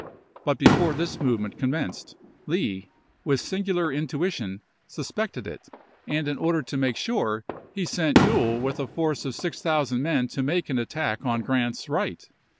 But before this movement commenced Lee, with singular intuition, suspected it, and in order to make sure, he sent Ewell with a force of 6000 men to make an attack on Grant's right.